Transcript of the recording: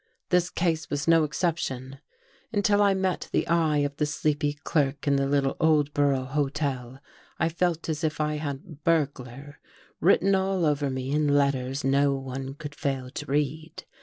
This case was no exception. Until I met the eye of the sleepy clerk in the little Oldborough hotel, I felt as If I had " burglar " written all over me in letters no one could fail to read.